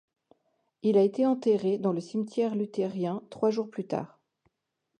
Il a été enterré dans le cimetière luthérien trois jours plus tard.